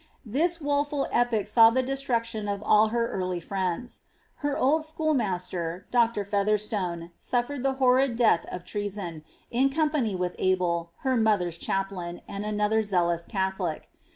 This woeful epoch saw the destruc tion of all her early friends. Her old schoolmaster, Dr. Fetherstone, suffered the horrid death of treason, in company with Al>el, her mother's chaplain, and another zealous Catholic.